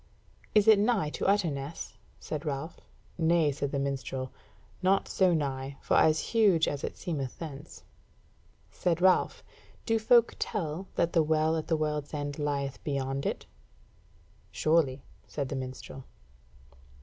"Is it nigh to Utterness?" said Ralph. "Nay," said the minstrel, "not so nigh; for as huge as it seemeth thence." Said Ralph: "Do folk tell that the Well at the World's End lieth beyond it?" "Surely," said the minstrel.